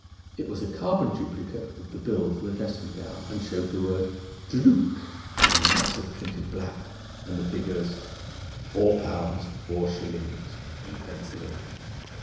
It was a carbon duplicate of the bill for the dressing gown, and showed the word "Drook" in massive printed black, and the figures £4 4 0 in faint blue.